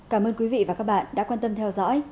cảm ơn các bạn đã theo dõi